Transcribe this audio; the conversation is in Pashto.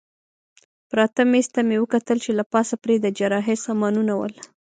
پراته مېز ته مې وکتل چې له پاسه پرې د جراحۍ سامانونه ول.